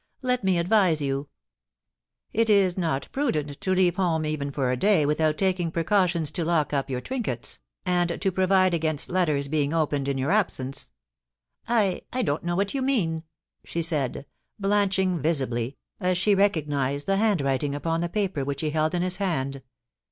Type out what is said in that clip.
Let me advise you. It is not prudent to leave home even for a day without taking precautions to lock up your trinkets, and to provide against letters being opened in your absence.' *I — I don't know what you mean,' she said, blanching visibly, as she recognised the handwriting upon the paper which he held in his hand.